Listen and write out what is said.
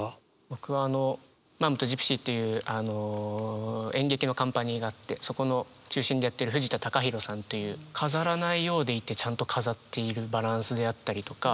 僕はあのマームとジプシーっていう演劇のカンパニーがあってその中心でやってる藤田貴大さんっていう飾らないようでいてちゃんと飾っているバランスであったりとか。